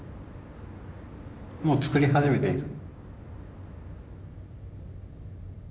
もう作り始めていいんですか。